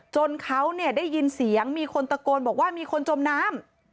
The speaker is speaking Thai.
จนเขาเนี่ยได้ยินเสียงมีคนตะโกนบอกว่ามีคนจมน้ำ